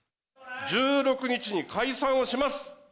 １６日に解散をします。